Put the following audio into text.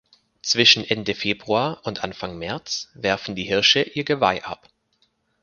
Zwischen Ende Februar und Anfang März werfen die Hirsche ihr Geweih ab.